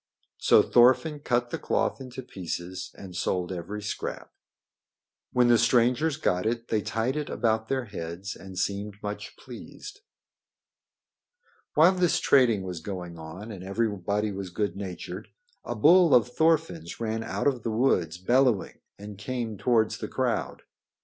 So Thorfinn cut the cloth into pieces and sold every scrap. When the strangers got it they tied it about their heads and seemed much pleased. While this trading was going on and everybody was good natured, a bull of Thorfinn's ran out of the woods bellowing and came towards the crowd.